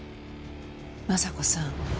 昌子さん。